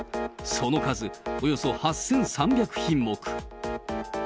その数およそ８３００品目。